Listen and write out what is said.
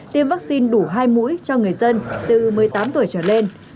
tiêm vaccine đủ hai mũi cho người dân từ một mươi tám tuổi trở lên